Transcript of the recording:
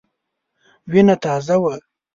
وینه تازه وه.